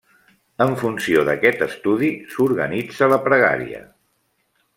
En funció d'aquest estudi s'organitza la pregària.